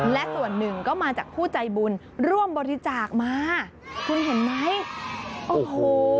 และส่วนหนึ่งก็มาจากผู้ใจบุญร่วมบริจาคมาคุณเห็นไหมโอ้โห